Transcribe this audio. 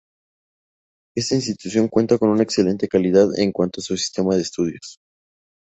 Esta institución cuenta con una excelente calidad en cuanto a su sistema de estudios.